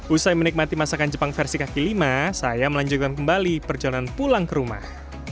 usai menikmati masakan jepang versi kaki lima saya melanjutkan kembali perjalanan pulang ke rumah